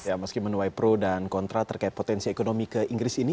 ya meskipun ypro dan kontra terkait potensi ekonomi ke inggris ini